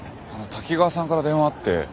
滝川さんから電話あって。